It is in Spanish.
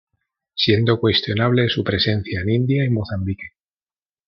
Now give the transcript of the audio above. Siendo cuestionable su presencia en India y Mozambique.